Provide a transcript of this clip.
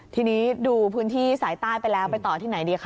ทีนี้ดูพื้นที่สายใต้ไปแล้วไปต่อที่ไหนดีคะ